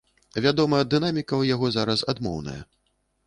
Вядома, дынаміка ў яго зараз адмоўная.